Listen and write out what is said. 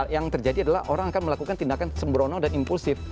yang terjadi adalah orang akan melakukan tindakan sembrono dan impulsif